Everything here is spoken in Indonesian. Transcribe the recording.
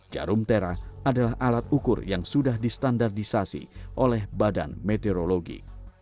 jarum tera adalah alat ukur yang sudah distandarisasi oleh badan meteorologi